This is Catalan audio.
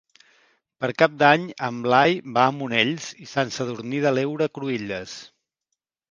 Per Cap d'Any en Blai va a Monells i Sant Sadurní de l'Heura Cruïlles.